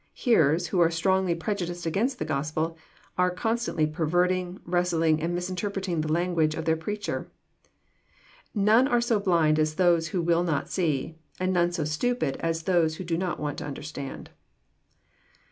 Hear ers, who are strongly' prejudiced against the Gospel, are con fitantly perverting, wresting, and misinterpreting the language of the preacher. None are so blind as those who will not see, and none so stupid as those who do not want to understand.